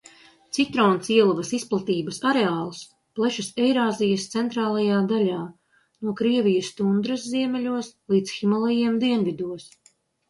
Citroncielavas izplatības areāls plešas Eirāzijas centrālajā daļā, no Krievijas tundras ziemeļos līdz Himalajiem dienvidos.